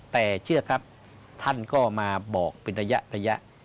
แต่เชื่อครับท่านก็มาบอกเป็นระยะ